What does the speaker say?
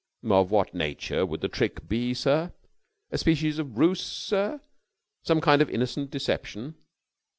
"Of what nature would the trick be, sir? A species of ruse, sir, some kind of innocent deception?"